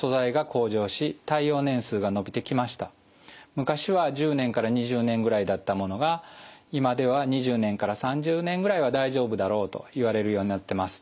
昔は１０年から２０年ぐらいだったものが今では２０年から３０年ぐらいは大丈夫だろうといわれるようになってます。